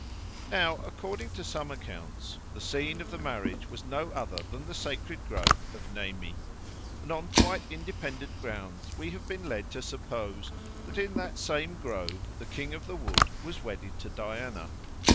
Now, according to some accounts, the scene of the marriage was no other than the sacred grove of Nemi, and on quite independent grounds we have been led to suppose that in that same grove the King of the Wood was wedded to Diana.